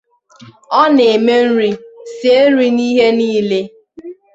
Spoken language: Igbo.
Ọ na-eme nri, sie nri na ihe niile.